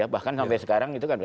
bahkan sampai sekarang itu kan